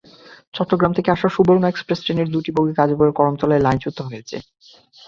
চট্টগ্রাম থেকে আসা সুবর্ণ এক্সপ্রেস ট্রেনের দুটি বগি গাজীপুরের করমতলায় লাইনচ্যুত হয়েছে।